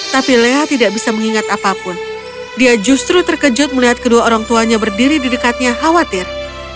tapi lea tidak bisa mengingat apapun dia justru terkejut melihat kedua orang tuanya berdiri di dekatnya khawatir